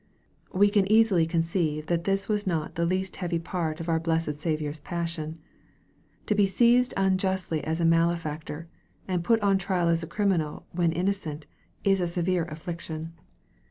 We can easily conceive that this was not the least heavy part of our blessed Saviour's passion. To be seized unjustly as a malefactor, and put on trial as a criminal when innocent, is a severe affliction.